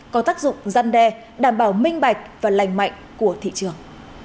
có tác dụng gian đe đảm bảo minh bạch và lành mạnh của thị trường